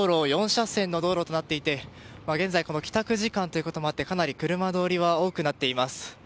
４車線の道路となっていて現在帰宅時間ということもあってかなり車通りは多くなっています。